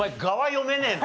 読めねえの？